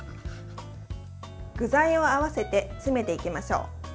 具材を合わせて詰めていきましょう。